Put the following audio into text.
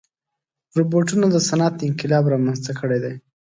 روبوټونه د صنعت انقلاب رامنځته کړی دی.